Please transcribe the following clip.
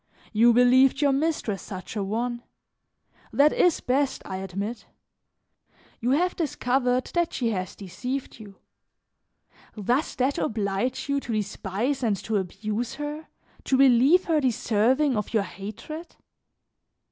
You believed your mistress such a one; that is best, I admit. You have discovered that she has deceived you; does that oblige you to despise and to abuse her, to believe her deserving of your hatred?